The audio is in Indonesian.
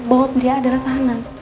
bahwa dia adalah tahanan